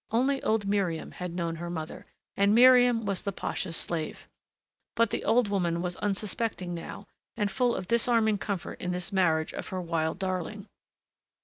Only old Miriam had known her mother and Miriam was the pasha's slave. But the old woman was unsuspecting now, and full of disarming comfort in this marriage of her wild darling.